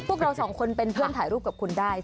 พวกเราสองคนเป็นเพื่อนถ่ายรูปกับคุณได้